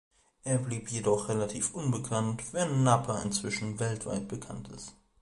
Es blieb jedoch relativ unbekannt, während Napa inzwischen weltweit bekannt ist.